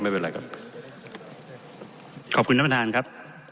ไม่เป็นไรครับขอบคุณน้ำทางครับ